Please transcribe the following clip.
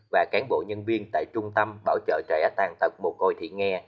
và cán bộ nhân viên tại trung tâm bảo trợ trẻ tàn tật một hồi thị nghè